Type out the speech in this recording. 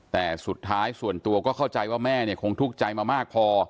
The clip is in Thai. แต่สุดท้ายส่วนตัวก็เข้าใจว่าแม่เนี่ยคงทุกข์ใจมามากพอ